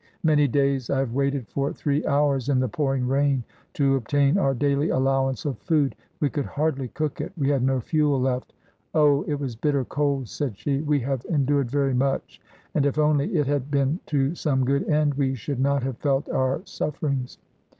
Many days I have waited for three hours in the pouring rain to obtain our daily allowance of food. We could hardly cook it, we had no fuel left. Oh! it was bitter cold," said she; "we have endured very much; and if only it had been to some good end we should not have felt our suffer ings."